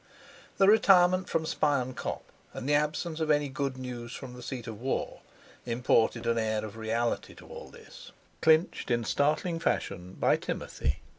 The retirement from Spion Kop and the absence of any good news from the seat of war imparted an air of reality to all this, clinched in startling fashion by Timothy.